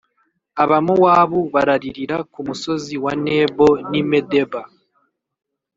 Abamowabu bararirira ku musozi wa Nebo n’i Medeba,